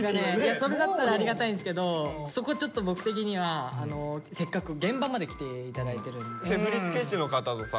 それだったらありがたいんすけどそこちょっと僕的にはせっかく現場まで来て頂いてるんで。